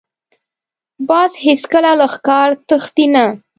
باز هېڅکله له ښکار تښتي نه